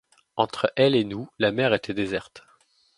Entre elle et nous, la mer était déserte.